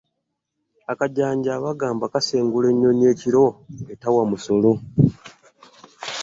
Akajanja bagambabkasengula ennyonyi ekiro etawa musolo.